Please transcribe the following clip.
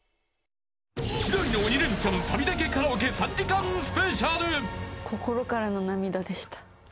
「千鳥の鬼レンチャン」サビだけカラオケ３時間スペシャル。